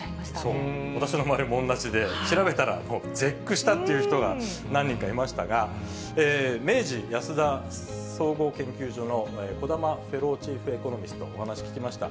そう、私の周りも同じで、調べたら、もう絶句したっていう人が何人かいましたが、明治安田総合研究所の小玉フェローチーフエコノミストにお話聞きました。